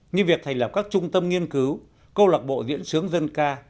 như việc thành lập các trung tâm nghiên cứu câu lạc bộ diễn sướng dân ca